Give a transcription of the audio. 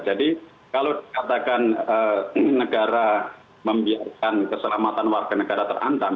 jadi kalau dikatakan negara membiarkan keselamatan warga negara terantam